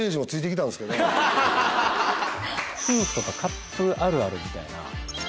夫婦とかカップルあるあるみたいな。